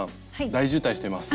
大渋滞してます。